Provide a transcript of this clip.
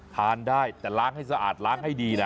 ทานได้แต่ล้างให้สะอาดล้างให้ดีนะ